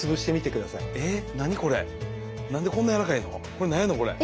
これ何やねんこれ。